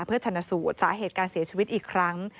เพื่อชนะสูตรสาเหตุการเสียชีวิตอีกครั้ง